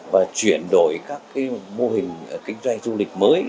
và chuyển đổi các mô hình kinh doanh du lịch mới